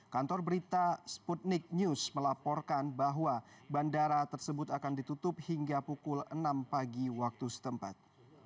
kantor berita sputnik news melaporkan bahwa bandara tersebut akan ditutup hingga pukul enam pagi waktu setempat